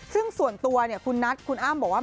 ซึ่งส่วนตัวคุณนัทคุณอ้ำบอกว่า